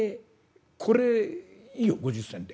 これいいよ５０銭で」。